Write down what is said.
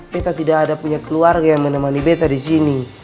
beta tidak ada punya keluarga yang menemani beta disini